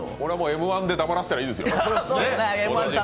Ｍ−１で黙らせたらいいですよ。